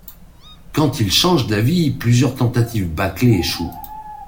Quand il change d'avis, plusieurs tentatives bâclées échouent.